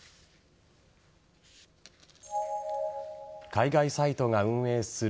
海外サイトが運営する